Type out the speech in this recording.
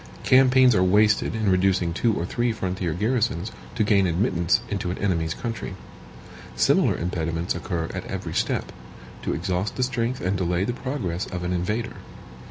Campaigns are wasted in reducing two or three frontier garrisons, to gain admittance into an enemy's country. Similar impediments occur at every step, to exhaust the strength and delay the progress of an invader.